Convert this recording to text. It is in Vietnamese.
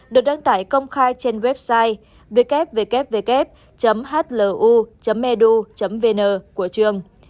được đăng tải công khai trên website www hlu edu vn của trường